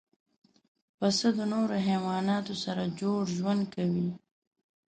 پسه له نورو حیواناتو سره جوړ ژوند کوي.